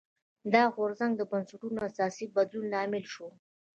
دا غورځنګ د بنسټونو اساسي بدلون لامل شو.